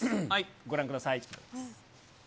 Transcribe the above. ご覧ください。